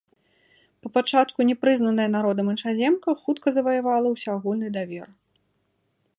Па пачатку не прызнаная народам іншаземка хутка заваявала ўсеагульны давер.